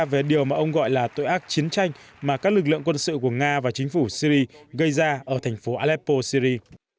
về điều mà ông gọi là tội ác chiến tranh mà các lực lượng quân sự của nga và chính phủ syri gây ra ở thành phố aleppo syri